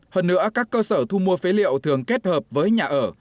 hơn nữa các cơ sở thu mua phế liệu thường kết hợp với nhà ở